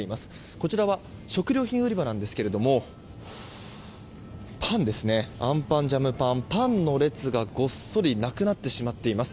こちらは食料品売り場ですがパンです、アンパン、ジャムパンパンの列がごっそり、なくなっています。